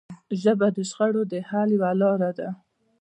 ژبه د شخړو د حل یوه لاره ده